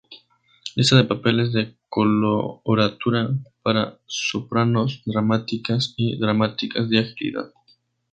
Lista de papeles de coloratura para sopranos dramáticas y dramáticas de agilidad.